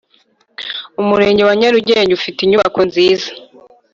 Umurenge wa Nyarugenge ufite inyubako nziza.